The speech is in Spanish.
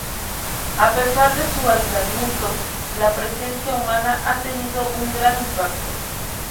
A pesar de su aislamiento, la presencia humana ha tenido un gran impacto.